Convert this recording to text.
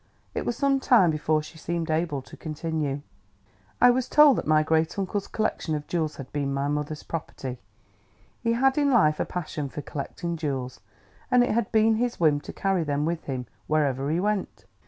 It was some time before she seemed able to continue. "I was told that my great uncle's collection of jewels had been my mother's property. He had in life a passion for collecting jewels, and it had been his whim to carry them with him, wherever he went.